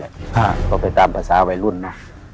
บ๊วยบ๊วยต้องไปตามภาษาวัยรุ่นนะ